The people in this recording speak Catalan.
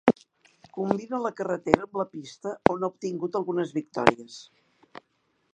Combina la carretera amb la pista on ha obtingut algunes victòries.